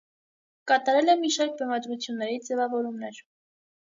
Կատարել է մի շարք բեմադրությունների ձևավորումներ։